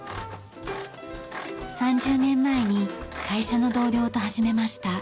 ３０年前に会社の同僚と始めました。